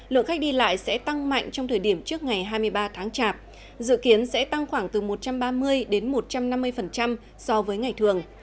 lượng khách đi lại sẽ tăng mạnh trong thời điểm trước ngày hai mươi ba tháng chạp dự kiến sẽ tăng khoảng từ một trăm ba mươi đến một trăm năm mươi so với ngày thường